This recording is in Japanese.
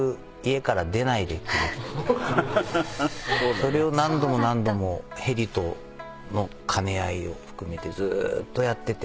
それを何度も何度もヘリとの兼ね合いを含めてずっとやってて。